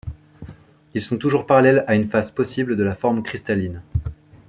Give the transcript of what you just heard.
Ils sont toujours parallèles à une face possible de la forme cristalline.